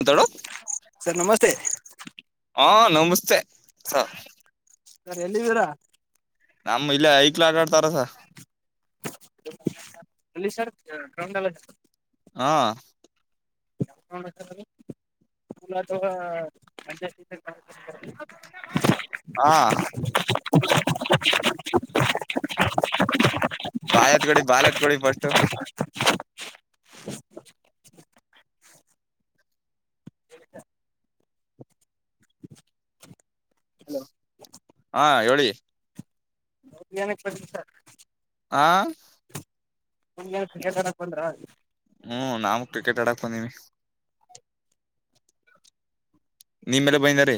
ಮಾತಾಡು ಸರ್ ನಮಸ್ತೆ ತ್ತ ಹಾ ನಮಸ್ತೆ ಸ ಸರಿ ಎಲ್ಲಿದ್ದೀರಾ ನಮ್ಮ ಇಲ್ಲ ಐಕ್ಲಾಟ ಆಡ್ತಾರಸ ಅಲ್ಲಿ ಸರ್ ಕ ಹಾ ಯ ಅಜಸ್ ಹಾ ಬಾತ್ ಕಡೆ ಬಾಯತ್ ಕಡಿ ಫಸ್ಟ್ ತ್ತ ಹ ಹೇಳಿ ಬದ್ಯಾನಕ್ಕೆ ಪಡ್ ಸರ್ ಆಾ ಒ ತರಕ್ ಬಂದ್ರ ಹ್ಮ ನಾ ಕ್ರಿಕೆಟ್ ಆಡಾಕಂದೀವಿ ನಿಮ್ಮೆಲ್ಲ ಬೈಂದಾರೆ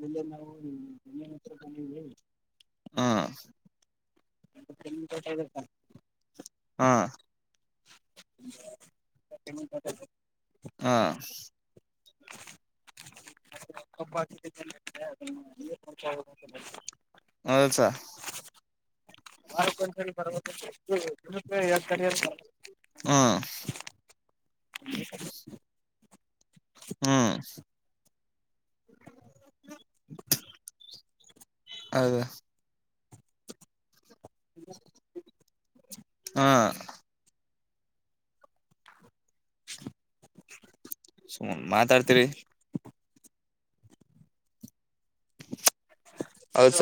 ನ ನಾವುನ್ನ ಬಂದವಿ ಹಾ ತೆಂಗಿನ ತೋಟ ಇದೆ ಸರ್ ಹಾ ತೆಂಗಿನ ತೋಟ ಹಾ ಬ್ ಮಂಚ ಬರ್ ಜ ಹೌದ ಸ ಯ ತ ಹ್ಮ್ ಹ ಹ್ಮ್ ಹೌದ ಹ ಹ್ಮ ಹು ಮಾತಾಡ್ತಿರಿ ಹೌಸ ಅಂತ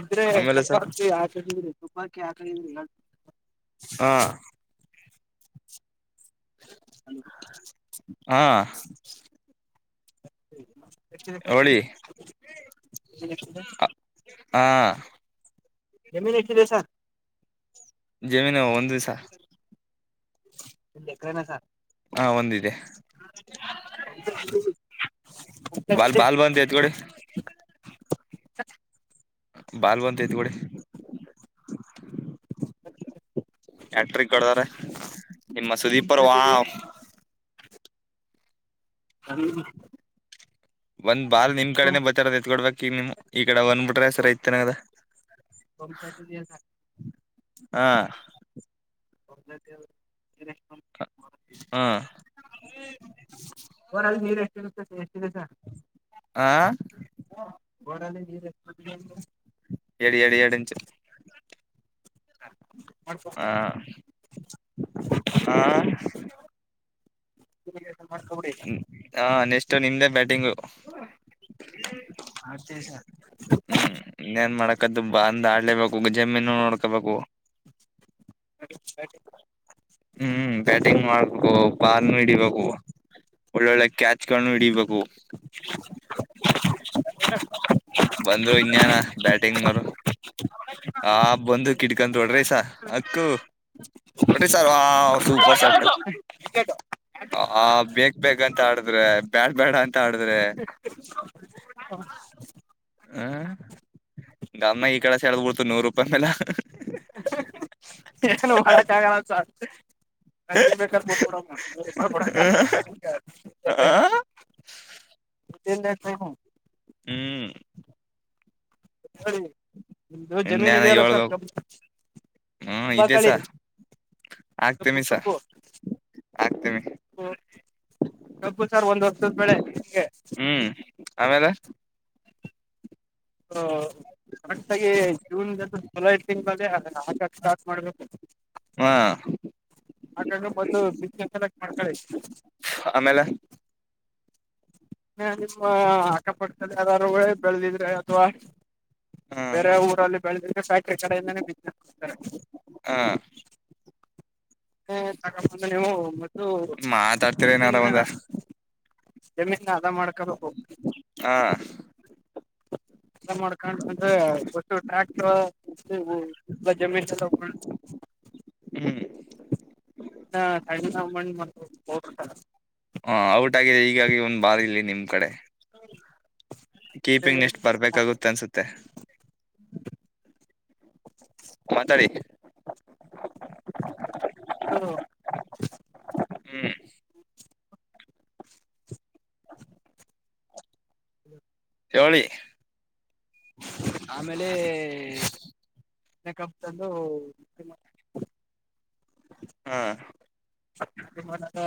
ಇದ್ರೆ ಸ ಕಬ್ಬರ್ತಿ ಆ ಚಿದ್ರ ತುಪಕ್ಕೆ ಆಕಲ್ಲ ಹಾ ಹ ಹಾ ಹ ಎರ್ ಜಮ ಹಾ ಜಮೀನ್ ಎಷ್ಡಿದೆ ಸಾ? ಜಮೀನು ಒಂದು ದಿವಸ ಕನ ಸಾ ಹಾ ಒಂದಿದೆ [unintelligible] ಬಾಲ್ ಬಾಲ್ ಬಂದತ್ ಕೊಡಿ. ಬಾಲ್ವಂತ ಐತ್ ಕೊಡಿ. ಎಕ್ಟ್ರಿಕ್ ಕೊಡದಾರೆ ನಿಮ್ಮ ಸುದೀಪ್ ಅವ್ರು ವಾವ್. ಅರಿ ಒಂದ್ ಬಾರ್ ನಿಮ್ ಕಡೆೇನೆ ಬತಾರ ಎತ್ಕೊಡ್ಬೇಕು. [unintelligible] ಗಿಡ ಬಂದಬಿಟ್ರೆ ಸರ್ ಐತನದ. ಹಾ [unintelligible] ಹಾ ರ ಅಲ್ಲಿ ನೀರ್ ಎಷ್ಟು ಇರ್ತದೆ. ಹ [unintelligible] [unintelligible] ಎಡಿ ಎಡು ಎರೆಡಿಂಚು ಹ ಹ ಹ ಹ ಹ ನೆಷ್ಟು ನಿಮ್ದೇ ಬ್ಯಾಟಿಂಗು. ನ ಹ್ಮ್ ನೇನ್ ಮಾಡಕದ್ದು ಬ ಅಂದ ಆಡ್ಲೇಬೇಕು ಜಮೀನು ನೋಡ್ ಬೇಕಾಗ ಸ ಹ್ಮ್ ಬ್ಯಾಟಿಂಗ್ ಮಾಡ್ಬೇಕು ಬಾಲ್ನು ಹಿಡಿಬೇಕು ಒಳ್ಳೊಳ್ಳೆ ಕ್ಯಾಚ್ನು ಹಿಡಿಬೇಕು. ಹೂ ಹು ಹೂ ಬಂದ್ರು ಇನ್ಯಾನ ಬ್ಯಾಟಿಂಗ್ನರು ಆ ಬಂದು ಕಿಟ್ಕೊಂಡ ನೋಡ್ರಿ ಸಾರ್, ಅಕ್ಕು ಹೊಡ್ರಿ ಸಾರ್ ಆ ಸೂಪರ್ ಶಾಟ್ ಆ ಬೇಕ ಬೇಕಂತ ಆಡಿದ್ರೆ ಬ್ಯಾಟ್ ಬೇಡ ಆಡಿದ್ರೆ ಹ ನಮ್ಮನ ಈ ಕಡೆ ಸಳದ್ಬಡ್. ನೂರು ರೂಪಾಯ ಮೇಲೆ ಏನು ಮಾಡಕ್ಕಾಗಲ್ಲ ಸಾರ್ ಹ ಬೇಕ ಬಂದ ಪಡ ಬಳಷ್ಟ ತಿಂದೆನ್ ಟೈಮ್ ಹ್ಮ್ ಮ್ದ ಜಮೀನ್ ಇನ್ಯಾನ ಇದೆಯಲ್ಲ ಸರ್ ಹೇಳ್ಬೇಕು ಹ್ಮ್ ಕುಬ ಇದೇ ಸ ಕಳಿ ಕಪ್ಪು ಆಗ್ತಮಿ ಸ ಆಗ್ತಮಿ ಕಬ್ಬುಪ್ಪು ಕಬ್ಬು ಸರ್ ಒಂದು್ ಹೊರ್ಷದ ಬೆಳೆ ನಿಮಗೆ ಹ್ಮ್ ಆಮೇಲೆ ಹಾ ಕರೆಕ್ಟಾಗಿ ಜೂನ್ಂತ ಜುಲೈ ತಿಂಗಳಲ್ಲೇ ಅ ಹಾಕಕ್ ಸ್ಟಾರ್ಟ್ ಮಾಡ್ಬೇಕು ಹಾ ಆಾಗಿ್ರ ಮೊದಲು ಬಿಸ್ನೆಸ್ ಎಲ್ಲ ಮಾಡ್ಕಳ ಆಮೇಲೆ ಏನೋ ಚೀಸ್ ಮಾ ಕಪ್ಪಡ್ ಯಾರಾರುೇ ಬೆಳೆದಿದ್ರೆ ಅಥವಾ ಹ ಬೇರೆ ಊರಲ್ಲಿ ಬೆಳೆದಿದ್ರೆ ಫ್ಯಾಕ್ಟ್ರಿ ಕಡೆಯಿಂದ ಬಿಸ್ನೆಸ್ ಮಾಡ್ತಾರೆ ಹ ತಗೊಂದ ನೀವು ಮತ್ತು ಮಾತಾಡ್ತಿರ ಏನಾರ ನಿನ್ನ ಒಂದ ಜಮೀನ್ ಅದ ಮಾಡ್ಕೋಬೇಕು ಹ ಮಾಡ್ಕೊಂಡು ಅಂದ್ರೆ ಸ್ ಟ್ರ್ಯಾಕ್ಟರ್ ಎಲ್ಲ ಜಮೀನ್ ಜ ಹ್ಮ್ ಸಣ್ಣ ಮಣ್ಣ ಮ ಹತ ಈಗಾಗಿ ಒಂದ್ ಬಾರಿ ಇಲ್ಲಿ ನಿಮ್ ಕಡೆ ಕೀಪಿಂಗ್ ಎಷ್ಟ್ ಬರ್ಬೇಕಕ್ಗುತ್ತೆ ಅನ್ಸುತ್ತೆ ಮಾತಾಡಿ ಹ ಹ್ಮ್ ಚೋಳಿ ಆಮೇಲೆ ಕಪ್ ತಂದು ಹಾ ನಾಟಿ ಮಾಡೋದು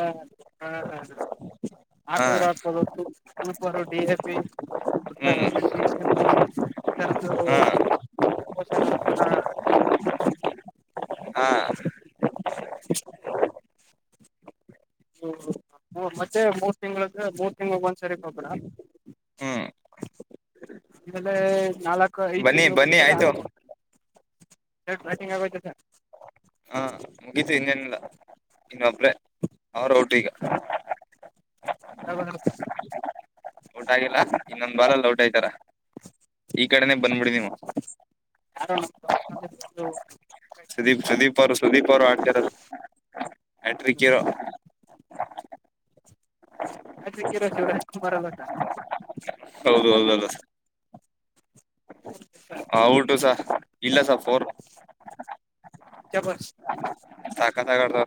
ಹಾ ಹಾ ಹಾ ಹಾ ಹಾಕುದ್ರೆ ಆಗ್ತದ ಡಿ ಎಪಿ ಹ್ಮ್ ಮ್ಯಗ್ನಷಿಯನ್ ಕೆರ್ ಹಾ ಹ ಹಾ ಹಾ ಚಿ ಮತ್ತೆ ಮೂರ್ ತಿಂಗಳೆ ಮೂರ್ ತಿಂಗಳ ಒಂದ್ಸರಿ ಕೊಬ್ರ ಹ್ಮ್ ಆಮೇಲೆ ನಾಲ್ಕ ಐದು, ಬನ್ನಿ ತಿಂಗಳು, ಬನ್ನಿ ಒಂದ್ಸರಿ, ಆಯ್ತು ಹಾಕ್ಬೇಕು. [unintelligible] ಏನು, ಬ್ಯಾಟಿಂಗ್, ಹಾಗೂಯ್ತುಯಲ್ಲ. [inaudible] ಹಾ, ಮುಗಿತು ಇನ್ನೇನಿಲ್ಲ! ಇನ್ನೊಬ್ರೆ, ಅವರು, ಔತೆವಾಗ. [unintelligible] ಯಾವಾಗ ಬ್ಯಾಂಡ್ರಿಸೈರ್. [inaudible] ಔಟಗಿಲ್ಲ, ಇನ್ನೊಂದು, ಬಲ್ಲಾಲಿ, ಔಟ್. [unintelligible] ಸ್ನೇಹಿತರ. [inaudible] [unintelligible] [inaudible] ಈ, ಕಡೆನೆ. [inaudible] ಬಂದ್ಬಿಡಿ, ನೀವು. [inaudible] ಯಾವ್ಯಾವನು, ರೋಅಡ್ನಾಲೆ, ಬಿಧು. [inaudible] ಸುದೀಪ್, ಸುದೀಪ್, ಅವರು ಸುದೀಪ್ ಅವ್ರು ಆಡ್ತಾರ, ಆಟ್ರಿಕ್ ಇರೋ. [unintelligible] ಅಟ್ರಿಕ್, ಹೀರೋ, ಶಿವರಾಜ್ ಕುಮಾರ್, ಅಲ್ಲಕ್ಕಾ. [unintelligible] ಹೌದು, ಹೌದುಧು. [inaudible] Sir how to sir. [unintelligible] ಇಲ್ಲ, ಸರ್, ಫೋರ್. [unintelligible] ಸಭಾಷ್. [inaudible] ಸಕ್ಕತಾಗ್ತಾವ್ರೆ.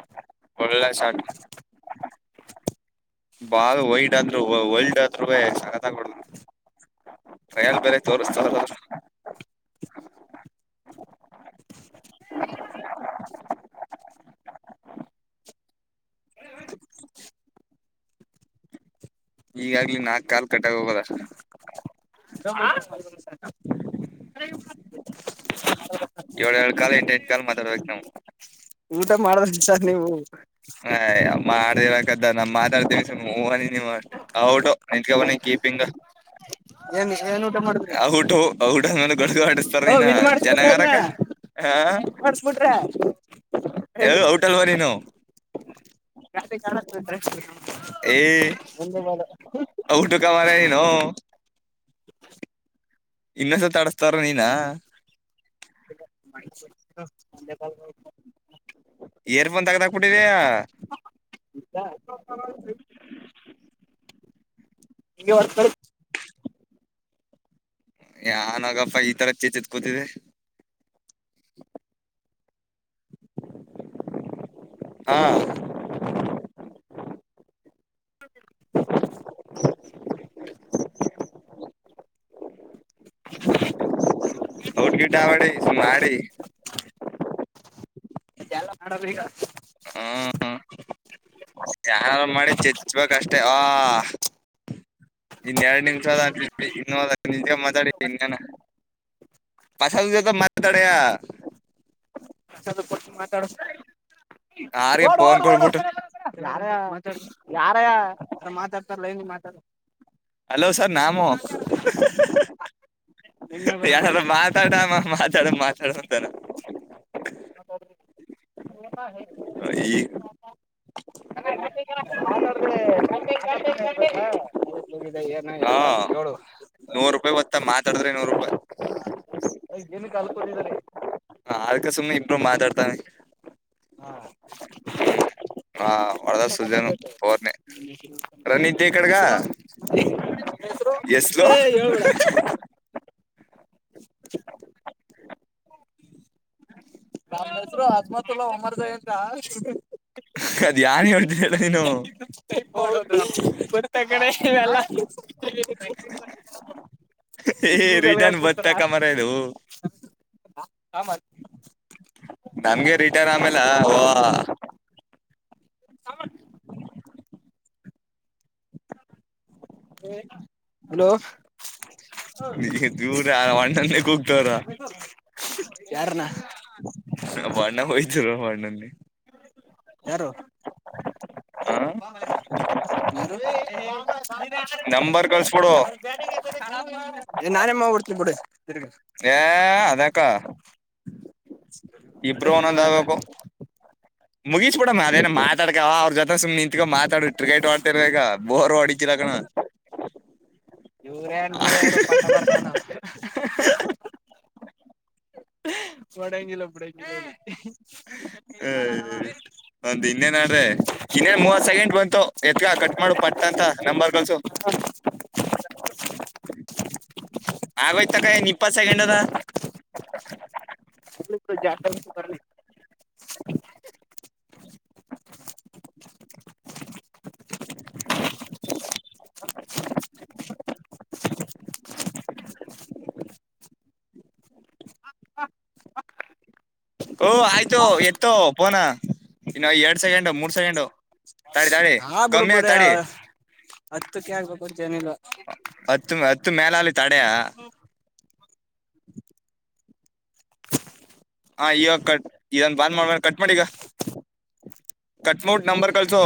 [inaudible] ಒಳ್ಳೆ ಶಾರ್ಟ್. [inaudible] ಆದ್ರು ವರ್ಲ್ಡ್, ಅತ್ರವೆ. ಸಾಕಾತು.. [unintelligible] ತಾವಾಡಾದರೂ. [unintelligible] ಟ್ರಯಲ್, ಬೇರೆ ತೋರಿಸು. [unintelligible] ಭಾನುವಾರ. [unintelligible] ವಾಡುವಾಡಿ. [unintelligible] ಈಗಾಗ್ಲಿ, ನಾಕ್ ಕಾಲ್, ಕಟ್ಟಾಗೀ, ಹೋಗೋದ. [unintelligible] ಹ.. [unintelligible] ಏಳಏಳು, ಕಾಲ್ ಎಂಟು, ಎಂಟು, ಕಾಲ್ ಮಾತಾಡ್ಬೇಕಕ್, ನಾವು. [inaudible] ಊಟ ಮಾಡಬೇಕು ಸಾರ್ ನೀವು. [inaudible] ಹೇಹೋ. [unintelligible] ಮಾಡ್ದೇವದ, ನಮ ಮಾತಾಡ್ತೀವಿ ಸನಿ ನೀವು ಅಷ್ಟೇ ಔ. [unintelligible] ನೀತಿಕೋ, ಏ ಬಾನಿ, ಕೀಪಿಂಗ. [unintelligible] ಏನ್, ಏನೆನು. [unintelligible] ಹಾಡುತುಔಟು. [unintelligible] ಹ. [unintelligible] ಗುಡುಗ, ಹೊಡಸ್ತಾರ ಓ ನೀನ್ನ ವಿನ್ ಮಾಡಿಸ್ಬಿಟ್ರಿ ಅದ್ರ ಚೆನ್ನಾಗರಕ್ಕ, ಹ. [unintelligible] [unintelligible] [inaudible] ಓಯ್ ಔಟ್ ಅಲ್ವಾ ನೀನು [unintelligible] ಹೇ ಒಂದೇ ಬಾಲ್ ಔಟ್ ಮಾರಾಯ ನೀನು ಇನ್ನೊಂದುಸತ ಆಡಿಸ್ತಾರ ನಿನ್ನ [unintelligible] ಈರಫೋನ್ ತೆಗೆದುಹಾಕಿಬಿಟ್ಟಿದೀಯ ಇಂಗೆ ಹೊಡೆದು ಕಳಿಸಿ ಯಾನ್ ನಾಗಪ್ಪ ಈ ತರ ಚೇಚಿತ್ಕೂತಿದೆ ಹಾ [inaudible] [inaudible] ಔಟ್ ಗಿಟ್ ಆಡಿ ಸುಮ್ನೆ ಆಡಿ ಜಾಲ ಮಾಡಬೇಗ ಹ್ಮ್ ಯಾರ ಮಾಡಿ ಚಚ್ಬೇಕ ಅಷ್ಟೇ ಆ ಇನ್ ಎರಡ್ ನಿಮಿಷ ನಿಜ ಮಾತಾಡಿ ಹೊಟ್ಟೆ ಇನ್ನೇನ ಪಸದ [unintelligible] ಕೊಡ್ತೀನಿ ಮಾತಾಡು ಯಾರಿಗೆ ಓಡು ಫೋನ್ ಓಡು ಕೊಡ್ಬಿಟ್ಟು ಯಾರಾಯ ಮಾತಾಡು ಯಾರಯಾ ಯಾರೋ ಮಾತಾಡ್ತಾರೇ ಲೈನ್ ಅಲ್ಲಿ [unintelligible] ಹಲೋ ಸರ್ ನಾಮು ನಿನ್ನೆ ಬೇಡ ಯಾರ ಮಾತಾಡ ಮಾತಾಡಾಮ ಮಾತಾಡು ಮಾತಾಡು ಅಂತಾನ [inaudible] ಈ ಮಾತಾಡ್ರೆ ಮಾತಾಡೇ ಗೊತ್ತಾ ಏನ ಹಾ ಎತ್ತ ಅಂತ ಕೇಳು ನೂರ್ ರೂಪಾಯಿ ಗೊತ್ತಾ ಮಾತಾಡಿದ್ರೆ ನೂರ್ ರೂಪಾಯಿ ಕೂತಿದಾರಿ ಹ ಅದಿಕ್ಕೇ ಸುಮ್ನೆ ಇಬ್ರು ಮಾತಾಡ್ತಾವಿ ಹಾ ಹಾ ಹೊಡೆದ ಸೃಜನ್ ಮಾತಾಡ್ಬೇಕು ಪೋರ್ನ ರನ್ನ ಇದ್ದ ಈ ಕಡೆಗ ಹೆಸರು [unintelligible] ಹೆಸರು ನನ್ನ ಹೆಸರು ಆತ್ಮ ಲ್ಲ ಹೊಮ್ಮರ್ದವಿ ಅಂತ ಅದ್ ಯಾನ್ ಹೇಳ್ತಿದಳ ನೀನು [unintelligible] ಇವೆಲ್ಲ ಏ ಗೂಗಲ್ಗೆ ರಿಟರ್ನ್ ಹಾಕಿಬಿಡ್ತಾನ ಬತ್ತಕ ಮರ ಇದು ಹಾ ಆಮ ಆಮೇಲ್ಲ ಓಹೋ [unintelligible] ಹೇ ಹಲೋ ದೂರ ಅಣ್ಣನ್ನೇ ಕೂಗ್ತವ್ರ ಯಾರನ್ನ ವರ್್ಣ ಹರ ವರ್್ಣ ಯಾರು ಹ ಸರ್ ನ ಹ ನಂಬರ್ ಕಳ್ಸ್ಬಿಡು [inaudible] ನಾನೇಮ್ಮ ಡ್ತ ಬಿಡಿ ತಿರ್ಗ ಏ ಅದಕ್ಕಾ ಇರು ಇಬರು ಇನ್ನೂ ಅದ ಒನೊಂದಬೇಕಬೇಕು ಮುಗಿಸ್ಬಿಡಣ ಅದೇ ಮಾತಾಡ್ಕ ಅವ್ರ ಜೊತೆ ಸುಮ್ ಇತ್ಗ ಮಾತಾಡು ್ರಿಕೈಟ್ ಒಡ್ತರದಕ ಬೋರ್ ಒಡಕ್ಕಿಿಲ್ಲಕನ ಇವರೇ ಅನ್್ರೀ ಇವರು ಪಟ್ಟ ಬರ್ಕನ್ ಬಡಂಗಿಿಲ್ಲ ಬಿಡ ಒಂದ್ ಇನ್ನೇನ್ಡ್ರಿ ಇನ್ನೇನ್ ಮೂವತ್ ಸೆಕೆಂಡ್ ಬಂತು ಎತ್ಕ ಕಟ್ ಮಾಡು ಪಟ್ಟ ಅಂತ ನಂಬರ್ ಕಲ್ಸು ಆಗೋಯ್ತಕ್ಕ ಇಪ್ಪತ್ ಸೆಕೆಂಡ್ ಅದ ಜ [inaudible] ಹ ಓ ಆಯ್ತು ಎತ್ತೋ ಪೋನ ಇನ್ನು ಎರಡ್ ಸೆಕೆಂಡು ಮೂರ್ ಸೆಕೆಂಡು ತಡೆ ತಳ ಹಾ ಬಿಡು ಕಮ್ಮಿ ಬಿಡು ತಡೆ ಹತ್ತಕ್ಕೆ ಆಗ್ಬೇಕು ಅಂತ ಏನಿಲ್ಲ ಹತ್ತ ಇತ್ತು ಮೇಲಾಲ ತಡ ಹಾ ಈಗಾಗ ಕಟ್ ಇದನ್ ಬಾಂದ ಮಾಡ ಕಟ್ ಮಾಡ ಈಗ ಕಟ್್ಮೌಟ್ ನಂಬರ್ ಕಳ್ಸೋ